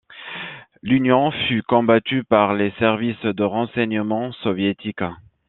L'union fut combattue par les services de renseignement soviétiques.